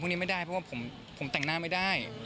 ผู้นได้เพราะว่าผมผมแต่งหน้าไม่ได้